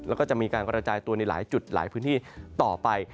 แล้วก็จะมีการกระจายตัวในหลายจุดหลายพื้นที่ต่อไป